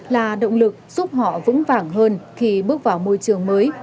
là động lực giúp họ vững vàng hơn khi bước vào môi trường mới